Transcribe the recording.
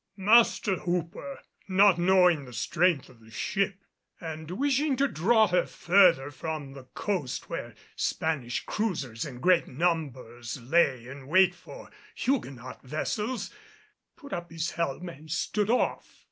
Master Hooper, not knowing the strength of the ship and wishing to draw her further from the coast where Spanish cruisers in great numbers lay in wait for Huguenot vessels, put up his helm and stood off.